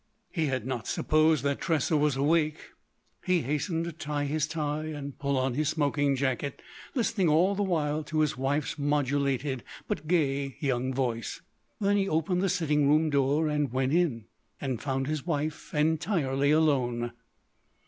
He had not supposed that Tressa was awake. He hastened to tie his tie and pull on a smoking jacket, listening all the while to his wife's modulated but gay young voice. Then he opened the sitting room door and went in. And found his wife entirely alone.